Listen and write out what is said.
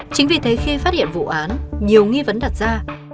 chính vì thế khi phát hiện vụ án nhiều nghi vấn đặt ra